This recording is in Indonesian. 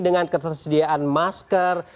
dengan ketersediaan masker